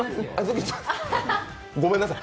ごめんなさい。